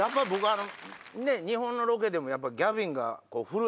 あの。